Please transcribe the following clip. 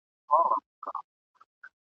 پروازونه یې څښتن ته تماشا وه !.